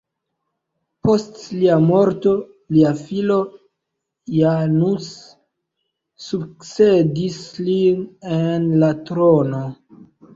Post lia morto, lia filo Janus sukcedis lin en la trono.